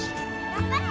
頑張れ。